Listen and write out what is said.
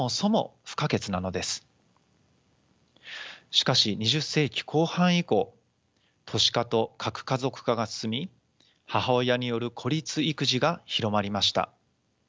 しかし２０世紀後半以降都市化と核家族化が進み母親による孤立育児が広まりました。